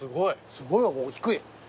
すごいわここ低い。